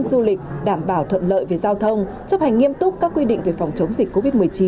du lịch đảm bảo thuận lợi về giao thông chấp hành nghiêm túc các quy định về phòng chống dịch covid một mươi chín